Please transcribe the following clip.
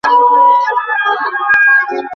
কিন্তু আমার প্রশ্নের তো কোনো উত্তর পেলুম না।